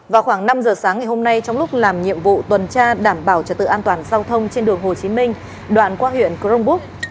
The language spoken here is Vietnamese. vào khoảng năm giờ sáng ngày hôm nay trong lúc làm nhiệm vụ tuần tra đảm bảo trật tự an toàn giao thông trên đường hồ chí minh đoạn qua huyện crong búc